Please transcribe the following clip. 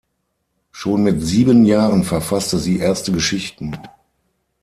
Schon mit sieben Jahren verfasste sie erste Geschichten.